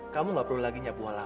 kamu nggak perlu lagi nyapu hal hal